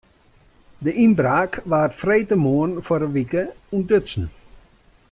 De ynbraak waard freedtemoarn foar in wike ûntdutsen.